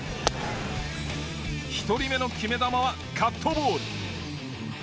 １人目の決め球はカットボール。